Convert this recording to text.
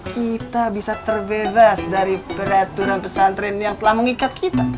kita bisa terbebas dari peraturan pesantren yang telah mengikat kita